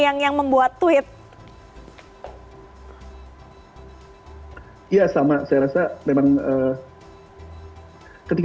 yang membuat tweet